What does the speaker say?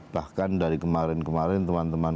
bahkan dari kemarin kemarin teman teman